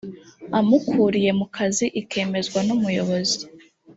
umukuriye mu kazi ikemezwa n umuyobozi